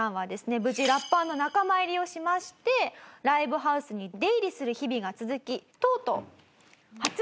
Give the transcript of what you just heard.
無事ラッパーの仲間入りをしましてライブハウスに出入りする日々が続きとうとう。